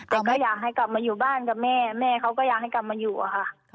แต่ก็อยากให้กลับมาอยู่บ้านกับแม่แม่เขาก็อยากให้กลับมาอยู่อะค่ะ